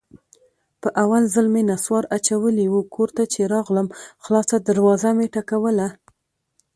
په اول ځل مې نصوار اچولي وو، کور ته چې راغلم خلاصه دروازه مې ټکوله.